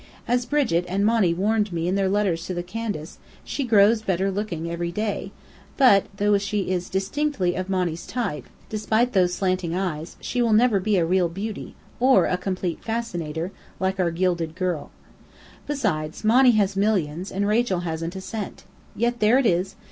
As Brigit and Monny warned me in their letters to the Candace, she grows better looking every day; but though she is distinctly of Monny's type, despite those slanting eyes, she will never be a real beauty, or a Complete Fascinator, like our Gilded Girl. Besides, Monny has millions, and Rachel hasn't a cent. Yet there it is!